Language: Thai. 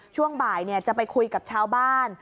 ช่วงบ่ายจะไปคุยกับชาวบ้าน